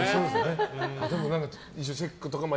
でも一応チェックとか。